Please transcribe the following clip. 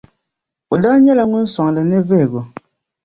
O daa nyɛla ŋun soŋdi ni vihigu .